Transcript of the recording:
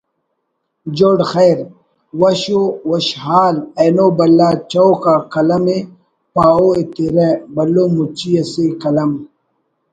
جوڑ خیر ……وش وشحال اینوبھلا چوک آ قلم ءِ پاہو ایترہ بھلو مچی اسے ……قلم